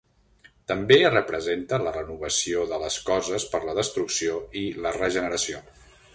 També representa la renovació de les coses per la destrucció i la regeneració.